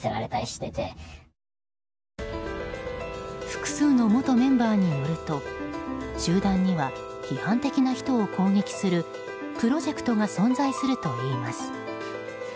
複数の元メンバーによると集団には、批判的な人を攻撃するプロジェクトが存在するといいます。